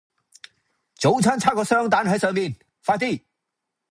早餐差個雙蛋喺上面，快啲